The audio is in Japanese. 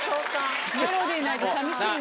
メロディーないと寂しいな。